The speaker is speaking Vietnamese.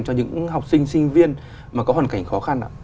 cho những học sinh sinh viên mà có hoàn cảnh khó khăn ạ